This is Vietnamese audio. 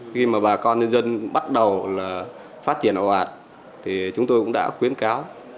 khi mà bà con nhân dân bắt đầu là phát triển ẩu ạ thì chúng tôi cũng đã khuyến cáo